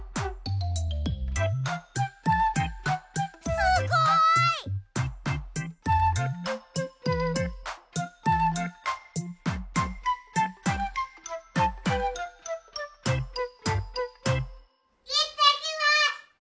すごい！いってきます！